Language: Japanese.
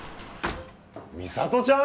美里ちゃん？